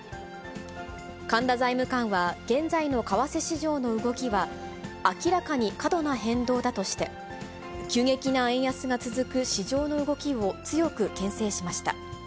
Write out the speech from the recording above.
神田財務官は現在の為替市場の動きは明らかに過度な変動だとして、急激な円安が続く市場の動きを強くけん制しました。